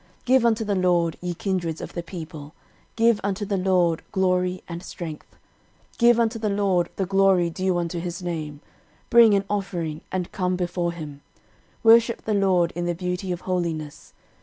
13:016:028 Give unto the LORD, ye kindreds of the people, give unto the LORD glory and strength. 13:016:029 Give unto the LORD the glory due unto his name: bring an offering, and come before him: worship the LORD in the beauty of holiness.